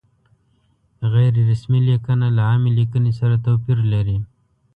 غیر رسمي لیکنه له عامې لیکنې سره توپیر لري.